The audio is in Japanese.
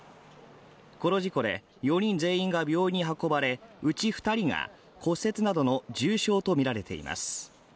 この事故で４人全員が病院に運ばれ、うち２人が骨折などの重傷とみられています。